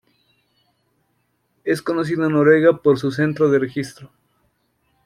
Es conocido en Noruega por su Centro de Registro.